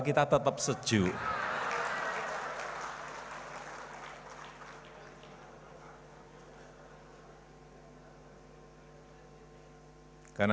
hampir tidak bisa saya sebutkan pada reuni